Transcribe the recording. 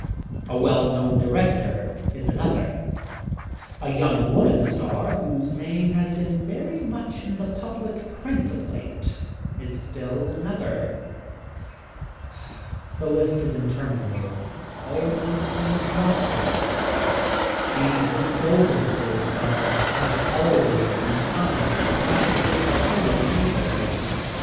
A well known director is another. A young woman star, whose name has been very much in the public print of late, is still another. The list is interminable — almost inexhaustable. These indulgences are not always confined to the privacy of the home, either.